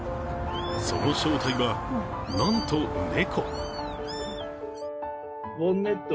その正体は、なんと猫。